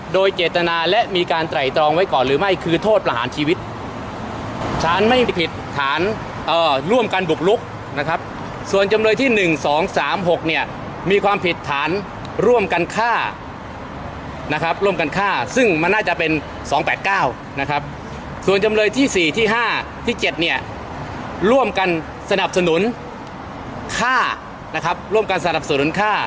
โดยเจตนาและมีการไตรตรองไว้ก่อนหรือไม่คือโทษประหารชีวิตสารไม่ผิดฐานร่วมกันบุกลุกนะครับส่วนจำเลยที่๑๒๓๖เนี่ยมีความผิดฐานร่วมกันฆ่านะครับร่วมกันฆ่าซึ่งมันน่าจะเป็น๒๘๙นะครับส่วนจำเลยที่๔ที่๕ที่๗เนี่ยร่วมกันสนับสนุนฆ่านะครับร่วมกันสนับสนุนฆ่า